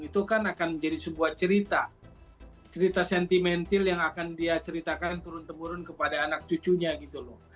itu kan akan menjadi sebuah cerita cerita sentimental yang akan dia ceritakan turun temurun kepada anak cucunya gitu loh